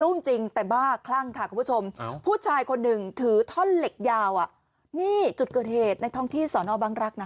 จริงแต่บ้าคลั่งค่ะคุณผู้ชมผู้ชายคนหนึ่งถือท่อนเหล็กยาวอ่ะนี่จุดเกิดเหตุในท้องที่สอนอบังรักษ์นะ